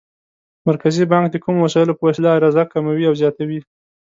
مرکزي بانک د کومو وسایلو په وسیله عرضه کموي او زیاتوي؟